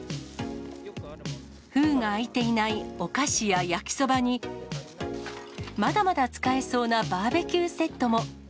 封が開いていないお菓子や焼きそばに、まだまだ使えそうなバーベキューセットも。